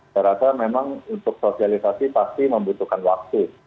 saya rasa memang untuk sosialisasi pasti membutuhkan waktu